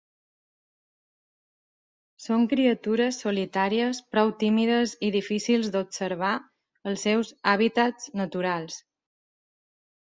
Són criatures solitàries prou tímides i difícils d'observar als seus hàbitats naturals.